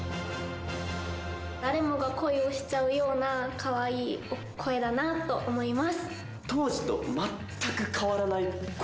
誰もが恋をしちゃうような可愛い声だなと思います。